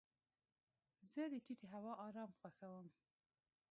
زه د ټیټې هوا ارام خوښوم.